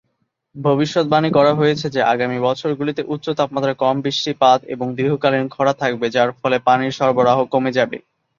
ভবিষ্যদ্বাণী করা হয়েছে যে আগামী বছরগুলিতে উচ্চ তাপমাত্রা, কম বৃষ্টিপাত এবং দীর্ঘকালীন খরা থাকবে যার ফলে পানির সরবরাহ কমে যাবে।